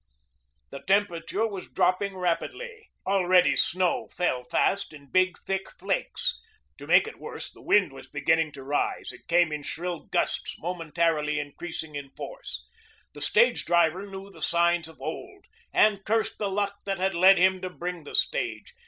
The temperature was dropping rapidly. Already snow fell fast in big thick flakes. To make it worse, the wind was beginning to rise. It came in shrill gusts momentarily increasing in force. The stage driver knew the signs of old and cursed the luck that had led him to bring the stage.